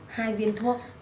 hai viên thuốc